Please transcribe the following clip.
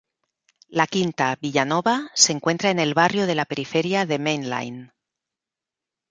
La quinta, Villanova, se encuentra en el barrio de la periferia de Main Line.